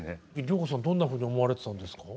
良子さんどんなふうに思われてたんですか？